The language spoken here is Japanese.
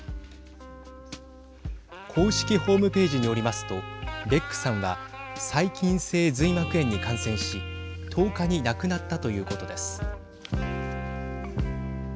公式ホームページによりますとベックさんは細菌性髄膜炎に感染し１０日に亡くなったということです。